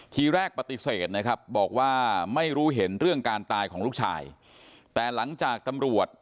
ทีแรกปฏิเสบนะครับ